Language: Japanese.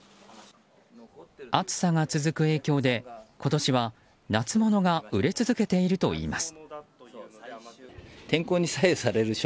暑さが続く影響で、今年は夏物が売れ続けているといいます。